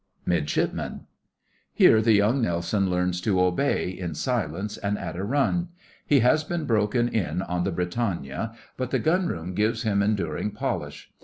MIDSHIPMEN Here the young Nelson learns to obey, in silence and at a run. He has been broken in on the Britannia, but the Gun room gives him enduring polish.